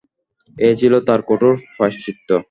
এই ছিল তাঁর কঠোর প্রায়শ্চিত্ত।